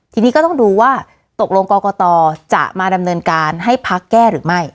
ทีนี้ก็ต้องดูว่าตกลงกรกตจะมาดำเนินการให้พักแก้หรือไม่